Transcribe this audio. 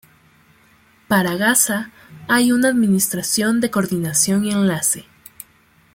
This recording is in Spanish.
Para Gaza hay una Administración de Coordinación y Enlace.